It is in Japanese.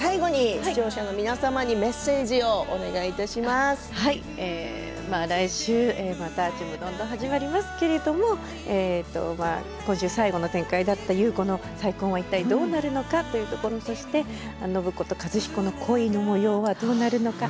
視聴者の皆様に来週また「ちむどんどん」始まりますけれども今週、最後の展開だった優子の再婚はどうなるのかというところ、そして暢子と和彦の恋のもようはどうなるのか。